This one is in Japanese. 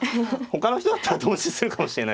ほかの人だったら頓死するかもしれないです。